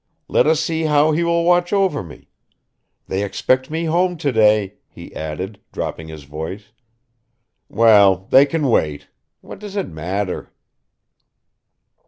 Let us see how he will watch over me. They expect me home today," he added, dropping his voice ... "Well, they can wait what does it matter!"